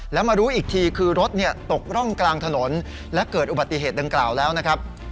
แล้วมารู้อีกทีคือรถตกร่องกลางถนนและเกิดอุบัติเหตุดังกล่าวแล้วนะครับ